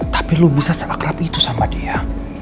tapi lo bisa seagrap itu sama dia